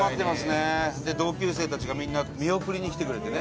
同級生たちがみんな見送りに来てくれて。